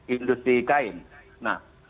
industri kain nah